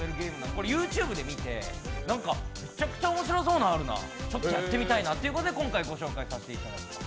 これＹｏｕＴｕｂｅで見て、めちゃくちゃ面白そうなのあるな、ちょっとやってみたいなということで今回ご紹介させていただきます。